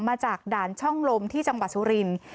มาจากด่านช่องลมที่จังหวัดสุรินทร์